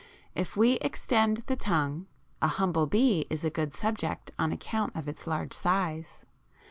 If we extend the tongue (a humble bee is a good subject on account of its large size, fig.